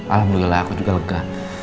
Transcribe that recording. alhamdulillah aku juga lega